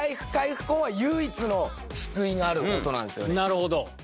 なるほど。